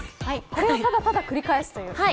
これをただただ繰り返すという。